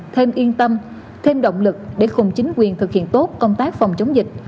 thêm yên tâm thêm động lực để cùng chính quyền thực hiện tốt công tác phòng chống dịch